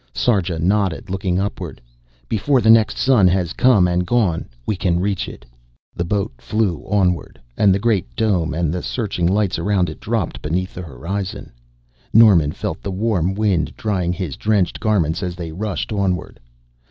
Sarja nodded, looking upward. "Before the next sun has come and gone we can reach it." The boat flew onward, and the great dome and the searching lights around it dropped beneath the horizon. Norman felt the warm wind drying his drenched garments as they rushed onward.